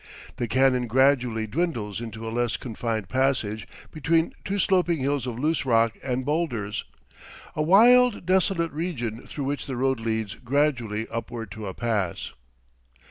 The canon gradually dwindles into a less confined passage between sloping hills of loose rock and bowlders, a wild, desolate region through which the road leads gradually upward to a pass.